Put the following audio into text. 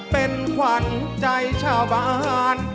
เป็นขวัญใจฉัน